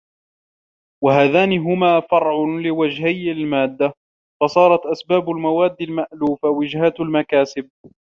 وَهَذَانِ هُمَا فَرْعٌ لِوَجْهَيْ الْمَادَّةِ ، فَصَارَتْ أَسْبَابُ الْمَوَادِّ الْمَأْلُوفَةِ ، وَجِهَاتُ الْمَكَاسِبِ